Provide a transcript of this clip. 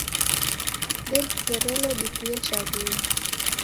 Ndedizerelo diw'uye chaghunyi.